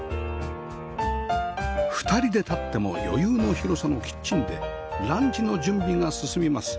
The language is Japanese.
２人で立っても余裕の広さのキッチンでランチの準備が進みます